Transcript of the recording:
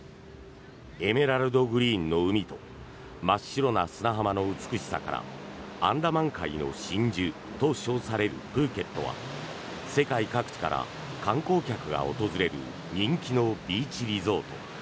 エメラルドグリーンの海と真っ白な砂浜の美しさからアンダマン海の真珠と称されるプーケットは世界各地から観光客が訪れる人気のビーチリゾート。